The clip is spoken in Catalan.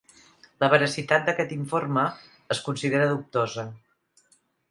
La veracitat d'aquest informe es considera dubtosa.